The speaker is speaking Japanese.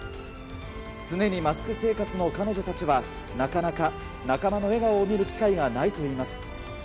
常にマスク生活の彼女たちは、なかなか仲間の笑顔を見る機会がないといいます。